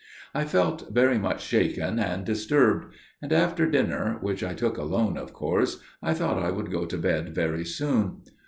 "I felt very much shaken and disturbed; and after dinner, which I took alone of course, I thought I would go to bed very soon.